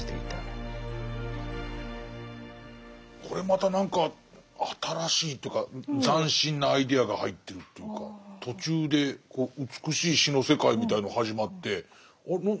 これまた何か新しいというか斬新なアイデアが入ってるというか途中で美しい詩の世界みたいの始まってあれ？